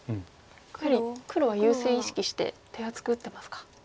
やはり黒は優勢意識して手厚く打ってますか。